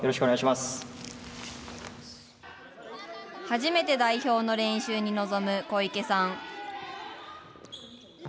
初めて代表の練習に臨む小池さん。